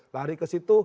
lari ke situ